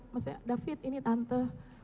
maksudnya david ini tante